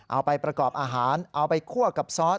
เอาไปประกอบอาหารเอาไปคั่วกับซอส